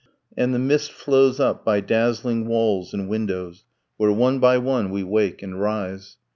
And the mist flows up by dazzling walls and windows, Where one by one we wake and rise.